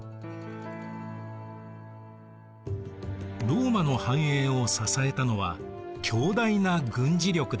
ローマの繁栄を支えたのは強大な軍事力でした。